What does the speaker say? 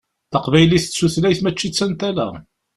Taqbaylit d tutlayt mačči d tantala.